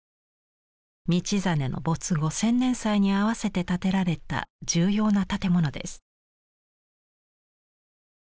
道真の没後千年祭にあわせて建てられた重要な建物です。